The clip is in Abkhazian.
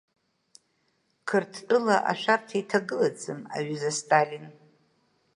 Қырҭтәыла ашәарҭа иҭагылаӡам, аҩыза Сталин.